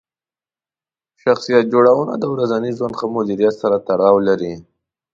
شخصیت جوړونه د ورځني ژوند ښه مدیریت سره تړاو لري.